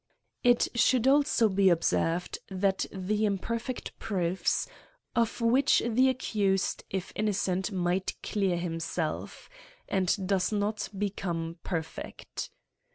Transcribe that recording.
It should be also observ ed, that the imperfect proofs, of which the accu^ sed, if innocent, might clear himself, and does not become perfect.